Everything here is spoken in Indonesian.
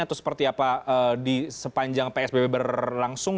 atau seperti apa di sepanjang psbb berlangsung